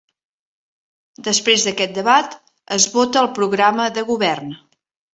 Després d'aquest debat, es vota el programa de govern.